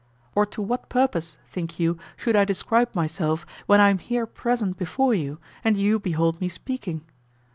Or to what purpose, think you, should I describe myself when I am here present before you, and you behold me speaking?